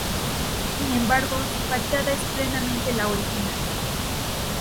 Sin embargo, su fachada es plenamente la original.